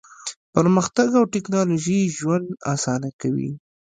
پرمختګ او ټیکنالوژي ژوند اسانه کوي.